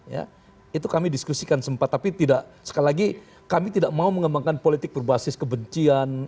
ya itu kami diskusikan sempat tapi tidak sekali lagi kami tidak mau mengembangkan politik berbasis kebencian